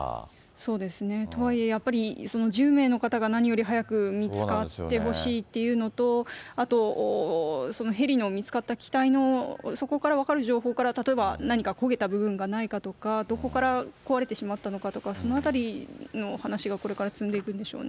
そうですね、とはいえ、やっぱり１０名の方が何より早く見つかってほしいっていうのと、あとそのヘリの見つかった機体の、そこから分かる情報から、例えば何か焦げた部分がないかとか、どこから壊れてしまったのかとか、そのあたりの話がこれから積んでいくんでしょうね。